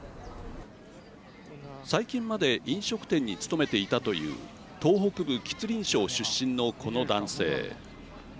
最近まで飲食店に勤めていたという東北部吉林省出身のこの男性。